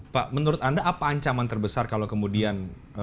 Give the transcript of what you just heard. pak menurut anda apa ancaman terbesar kalau kemudian